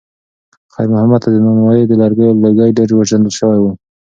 خیر محمد ته د نانوایۍ د لرګیو لوګی ډېر پیژندل شوی و.